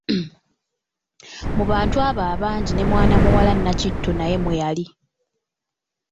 Mu bantu abo abangi ne mwana muwala Nnakitto naye mwe yali.